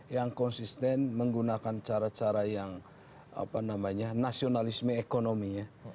yang konsisten menggunakan cara cara yang nasionalisme ekonomi ya